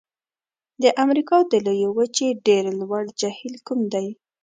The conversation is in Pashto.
د امریکا د لویې وچې ډېر لوړ جهیل کوم دی؟